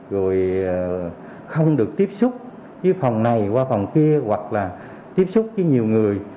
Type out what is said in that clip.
rồi không được tiếp xúc với phòng này qua phòng kia hoặc là tiếp xúc với nhiều người